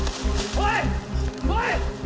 おい！